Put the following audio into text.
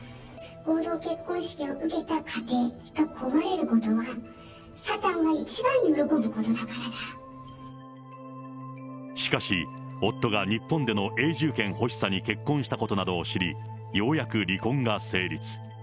合同結婚式を受けた家庭が壊れることは、しかし、夫が日本での永住権欲しさに結婚したことなどを知り、ようやく離婚が成立。